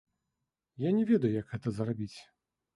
Я не ведаю, як гэта зрабіць.